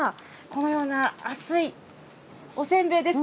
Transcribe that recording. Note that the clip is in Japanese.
このような厚いおせんべいです。